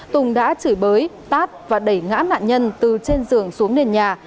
tùng đã chửi bới tát và đẩy ngã nạn nhân từ trên giường xuống nền nhà